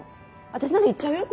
私なら行っちゃうよ？